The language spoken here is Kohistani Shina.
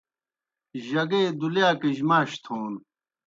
جگے دُلِیاکِجیْ ماش تھون